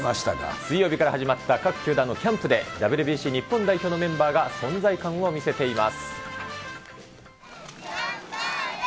水曜日から始まった各球団のキャンプで、ＷＢＣ日本代表のメンバーが存在感を見せています。